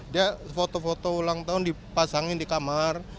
dia foto foto ulang tahun dipasangin di kamar